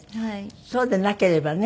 そうでなければね。